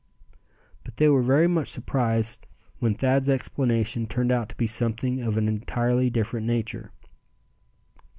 But they were very much surprised when Thad's explanation turned out to be something of an entirely different nature.